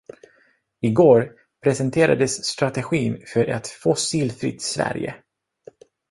Igår presenterades strategin för ett fossilfritt Sverige